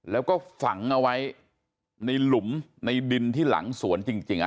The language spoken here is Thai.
แล้วก็ฝังเอาไว้ในหลุมในดินที่หลังสวนจริง